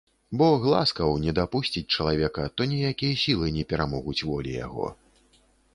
Бог ласкаў, не дапусціць чалавека, то ніякія сілы не перамогуць волі яго.